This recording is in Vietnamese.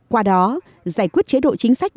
qua đó giải quyết chế độ chính sách